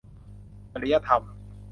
จริยธรรม